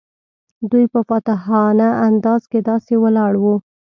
دوی په فاتحانه انداز کې داسې ولاړ وو.